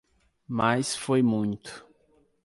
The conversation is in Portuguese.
Mas foi muito.